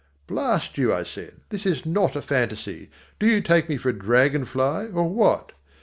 "Blast you," I said, "this is not a fantaisie. Do you take me for a dragon fly, or what?